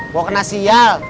gue kena sial